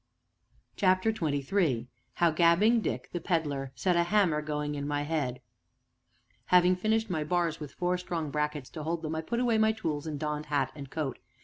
CHAPTER XXIII HOW GABBING DICK, THE PEDLER, SET A HAMMER GOING IN MY HEAD Having finished my bars, with four strong brackets to hold them, I put away my tools, and donned hat and coat.